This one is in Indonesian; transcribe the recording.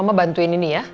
gue lagi tuh selesainya